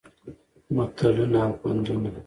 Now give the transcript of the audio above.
متلونه او پندونه